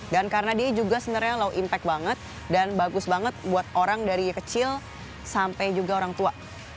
dan karena dia juga sebenarnya low impact banget dan bagus banget buat orang dari kecil sampai juga orang tua